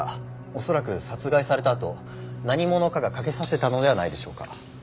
恐らく殺害されたあと何者かが掛けさせたのではないでしょうか。